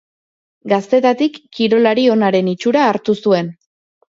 Gaztetatik kirolari onaren itxura hartu zuen.